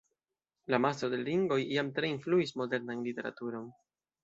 La Mastro de l' Ringoj jam tre influis modernan literaturon.